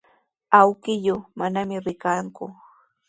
Awkilluu manami rikanku.